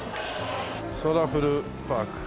ソラフルパーク。